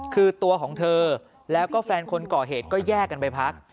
คือตัวของเธอแล้วก็แฟนคนก่อเหตุก็แยกกันไปพัก